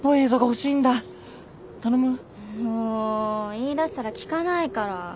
言いだしたら聞かないから。